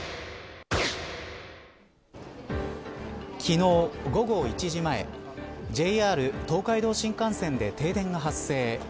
昨日、午後１時前ＪＲ東海道新幹線で停電が発生。